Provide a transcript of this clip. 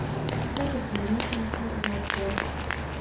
Z této směrnice musíme udělat vzor.